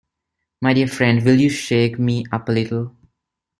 My dear friend, will you shake me up a little?